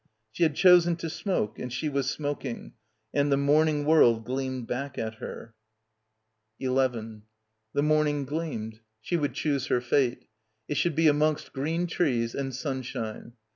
She had chosen to smoke and she was smoking, and the morning world gleamed back at her. ... 11 The morning gleamed. She would choose her fate. It should be amongst green trees and sun shine.